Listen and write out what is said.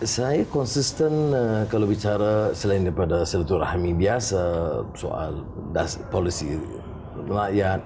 saya konsisten kalau bicara selain daripada selatur rahmi biasa soal polisi rakyat